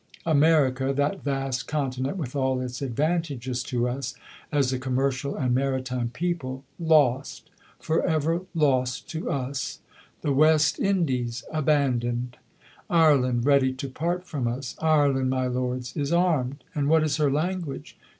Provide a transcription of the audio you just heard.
America, that vast Continent, with all its advantages to us as a commercial and maritime people lost for ever lost to us; the West Indies abandoned; Ireland ready to part from us. Ireland, my lords, is armed; and what is her language?